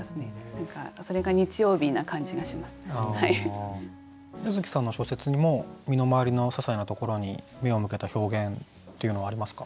何かそれが椰月さんの小説にも身の回りのささいなところに目を向けた表現っていうのはありますか？